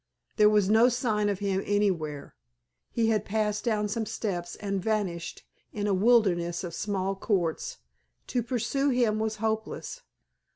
There was no sign of him anywhere. He had passed down some steps and vanished in a wilderness of small courts; to pursue him was hopeless.